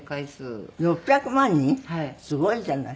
すごいじゃない。